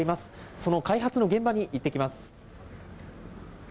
その開発の現場に行ってきます。